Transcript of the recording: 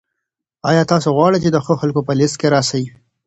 آیا تاسو غواړئ چي د ښه خلکو په لیست کي راسئ؟